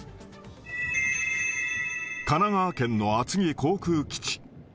神奈川県の厚木航空基地。